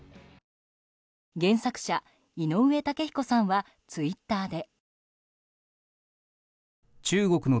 原作者・井上雄彦さんはツイッターで。